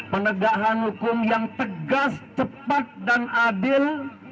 penegakan hukum yang tegas cepat dan adil